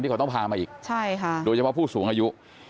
เขาต้องพามาอีกโดยเฉพาะผู้สูงอายุ